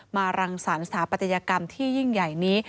รังสรรสถาปัตยกรรมที่ยิ่งใหญ่นี้